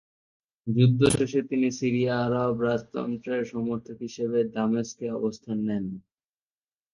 যুদ্ধ শেষে তিনি সিরিয়া আরব রাজতন্ত্রের সমর্থক হিসেবে দামেস্কে অবস্থান নেন।